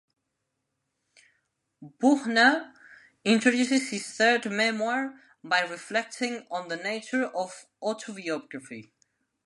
Buechner introduces his third memoir by reflecting on the nature of autobiography.